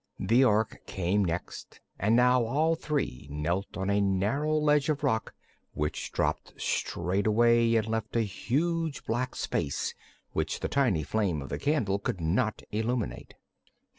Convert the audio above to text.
The Ork came next and now all three knelt on a narrow ledge of rock which dropped straight away and left a huge black space which the tiny flame of the candle could not illuminate.